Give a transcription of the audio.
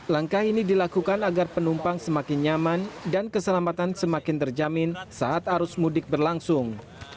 langkah ini dilakukan agar penumpang semakin nyaman dan keselamatan semakin terjamin saat arus mudik berlangsung